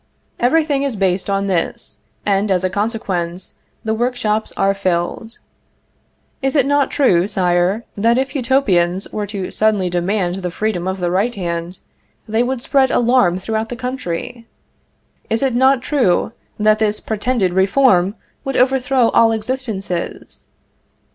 Everything is based on this, and, as a consequence, the workshops are filled. Is it not true, Sire, that if Utopians were to suddenly demand the freedom of the right hand, they would spread alarm throughout the country? Is it not true that this pretended reform would overthrow all existences?